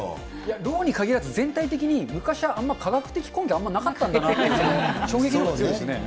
ろうに限らず、全体的に昔はあんま科学的根拠、あんまなかったんだなって、衝撃映像ですね。